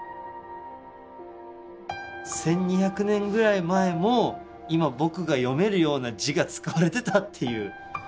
１，２００年ぐらい前も今僕が読めるような字が使われてたっていう。